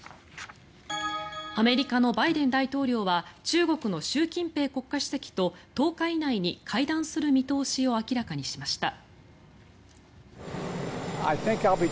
アメリカのバイデン大統領は中国の習近平国家主席と１０日以内に会談する見通しを明らかにしました。